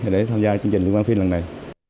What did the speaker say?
để tham gia chương trình lưu quan phim lần này